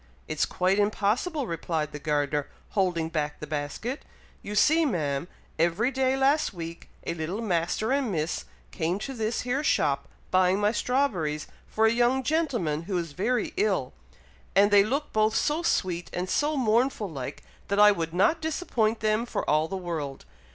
"It's quite impossible," replied the gardener, holding back the basket. "You see, ma'am, every day last week a little Master and Miss came to this here shop, buying my strawberries for a young gentleman who is very ill; and they look both so sweet and so mournful like, that I would not disappoint them for all the world.